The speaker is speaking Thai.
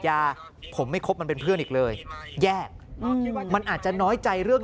ยาผมไม่คบมันเป็นเพื่อนอีกเลยแยกมันอาจจะน้อยใจเรื่อง